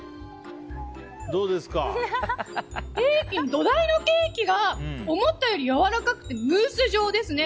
土台のケーキが思ったよりやわらかくてムース状ですね。